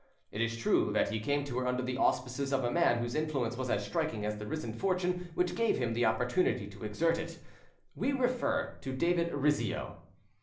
It is true that he came to her under the auspices of a man whose influence was as striking as the risen fortune which gave him the opportunity to exert it. We refer to David Rizzio.